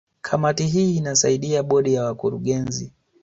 Kamati hii inasaidia Bodi ya Wakurugenzi